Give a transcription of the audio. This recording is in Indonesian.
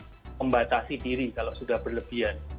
bagaimana kita membatasi diri kalau sudah berlebihan